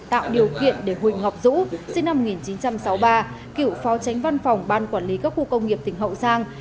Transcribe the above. tạo điều kiện để huỳnh ngọc dũng sinh năm một nghìn chín trăm sáu mươi ba cựu phó tránh văn phòng ban quản lý các khu công nghiệp tỉnh hậu giang